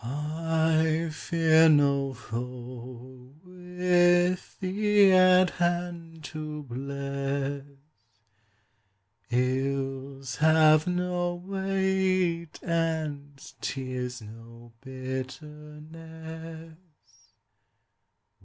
I fear no foe with thee at hand to bless: Ills have no weight, and tears no bitterness.